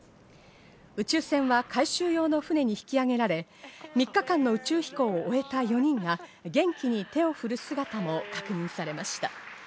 宇宙船は回収用の船に引き上げられ、３日間の宇宙飛行を終えた４人が元気に手を振る姿も確認されました。